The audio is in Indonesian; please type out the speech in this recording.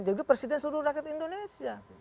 jadi presiden seluruh rakyat indonesia